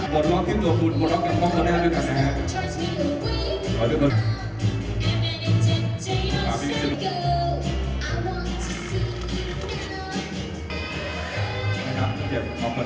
เป็นล๊อคจิตเล็กของเราหรือเปล่าไม่รู้ว่า